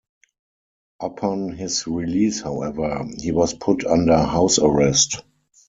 Upon his release however, he was put under house arrest.